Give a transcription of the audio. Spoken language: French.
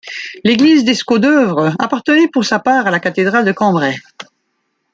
L'église d'Escaudœuvres appartenait pour sa part à la cathédrale de Cambrai.